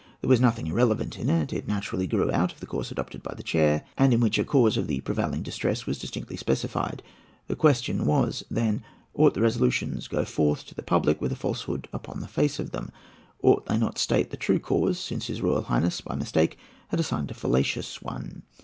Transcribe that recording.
There was nothing irrelevant in it; it naturally grew out of the course adopted by the chair, and in which a cause of the prevailing distress was distinctly specified. The question was, then, ought their resolutions to go forth to the public with a falsehood upon the face of them? Ought they not to state the true cause, since His Royal Highness by mistake had assigned a fallacious one?